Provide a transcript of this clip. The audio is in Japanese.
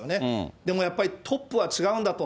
でも、やっぱりトップは違うんだと。